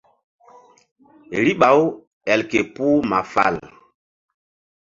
Riɓa-u el ke puh ma fal.